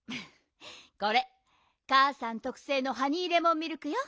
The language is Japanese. これかあさんとくせいのハニーレモンミルクよ。